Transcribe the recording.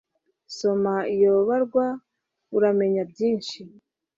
soma iyo barwa uramenya byinshi